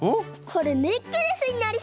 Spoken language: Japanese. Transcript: これネックレスになりそう！